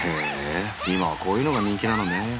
へえ今はこういうのが人気なのね。